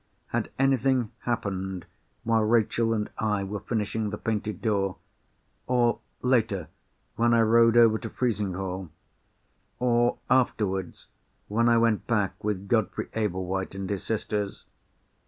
Had anything happened while Rachel and I were finishing the painted door? or, later, when I rode over to Frizinghall? or afterwards, when I went back with Godfrey Ablewhite and his sisters?